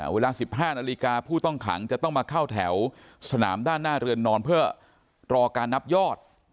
เวลา๑๕นาฬิกาผู้ต้องขังจะต้องมาเข้าแถวสนามด้านหน้าเรือนนอนเพื่อรอการนับยอด